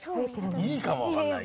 いいかもわかんないよ。